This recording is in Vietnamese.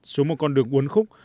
xuống một con đường uốn khúc